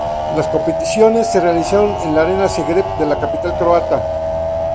Las competiciones se realizaron en la Arena Zagreb de la capital croata.